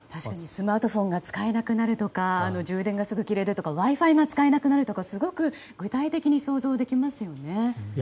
確かにスマートフォンが使えなくなるとか充電がすぐ切れるとかＷｉ‐Ｆｉが使えなくなるとかすごく具体的に想像できますよね。